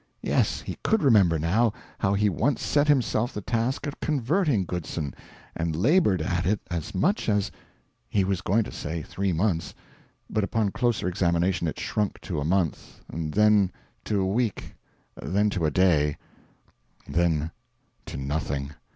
Yes, he could remember, now, how he once set himself the task of converting Goodson, and laboured at it as much as he was going to say three months; but upon closer examination it shrunk to a month, then to a week, then to a day, then to nothing.